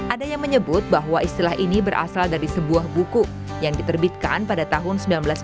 ada yang menyebut bahwa istilah ini berasal dari sebuah buku yang diterbitkan pada tahun seribu sembilan ratus sembilan puluh